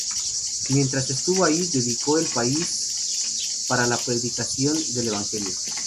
Mientras estuvo ahí dedicó el país para la predicación del evangelio.